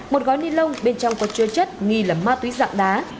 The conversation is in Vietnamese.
một gói ni lông bên trong có chứa chất nghi là ma túy dạng đá